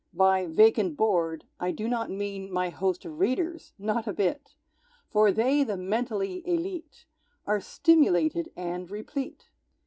By "vacant bored" I do not mean My host of readers, not a bit! For they, the mentally élite, Are stimulated and replete.